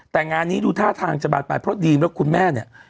แต่งานนี้ดูท่าทางจะบานปลายเพราะดีมแล้วคุณแม่เนี่ย